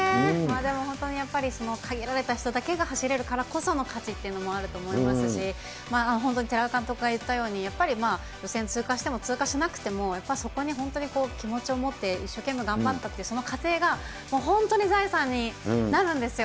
でも本当にやっぱり、その限られた人だけが走れるからこその価値っていうのもあると思いますし、本当に寺田監督が言ったように、やっぱり予選通過しても、通過しなくても、やっぱりそこに本当に気持ちを持って一生懸命頑張ったっていうその過程が、もう本当に財産になるんですよ。